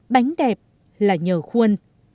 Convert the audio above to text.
bánh đẹp là nhờ khuôn